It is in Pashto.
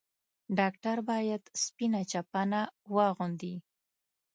ډاکټر بايد سپينه چپنه واغوندي.